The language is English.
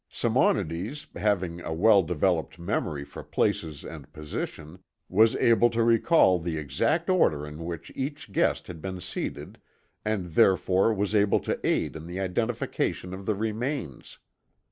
Simonides, having a well developed memory for places and position, was able to recall the exact order in which each guest had been seated, and therefore was able to aid in the identification of the remains.